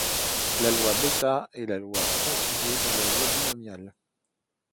La loi bêta est la loi conjuguée de la loi binomiale.